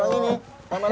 ini untuk harga masuk